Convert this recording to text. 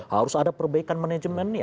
harus ada perbaikan manajemen nih